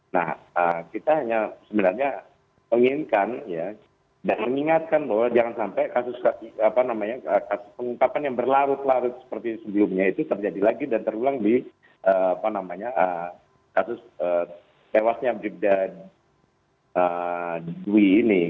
nah kita hanya sebenarnya menginginkan ya dan mengingatkan bahwa jangan sampai kasus pengungkapan yang berlarut larut seperti sebelumnya itu terjadi lagi dan terulang di kasus tewasnya bribda dwi ini